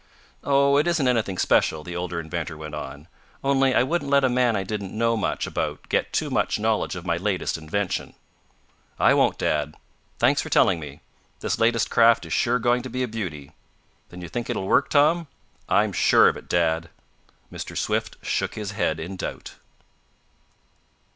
"Oh, it isn't anything special," the older inventor went on. "Only I wouldn't let a man I didn't know much about get too much knowledge of my latest invention." "I won't, Dad. Thanks for telling me. This latest craft is sure going to be a beauty." "Then you think it will work, Tom?" "I'm sure of it, Dad!" Mr. Swift shook his head in doubt.